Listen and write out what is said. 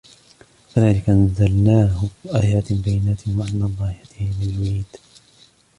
وَكَذَلِكَ أَنْزَلْنَاهُ آيَاتٍ بَيِّنَاتٍ وَأَنَّ اللَّهَ يَهْدِي مَنْ يُرِيدُ